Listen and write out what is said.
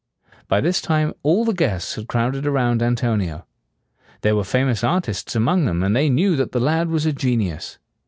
By this time all the guests had crowded around Antonio. There were famous artists among them, and they knew that the lad was a genius.